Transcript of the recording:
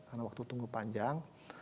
karena waktu tunggu panjang